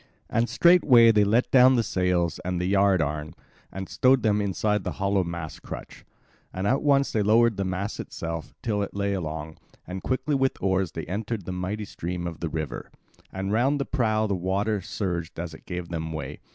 And straightway they let down the sails and the yard arm and stowed them inside the hollow mast crutch, and at once they lowered the mast itself till it lay along; and quickly with oars they entered the mighty stream of the river; and round the prow the water surged as it gave them way.